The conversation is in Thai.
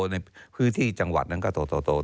ในพื้นที่จังหวัดนั้นก็โต